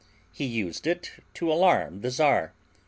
He used it to alarm the Czar.